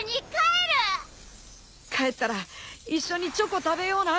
帰ったら一緒にチョコ食べような。